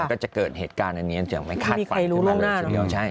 ก็จะเกิดเหตุการณ์อันนี้ไม่คาดฝันไม่มีใครรู้ล่างหน้าเนอะ